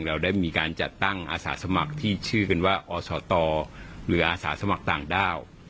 เราได้มีการจัดตั้งอาสาสมัครที่ชื่อกันว่าอสตหรืออาสาสมัครต่างด้าว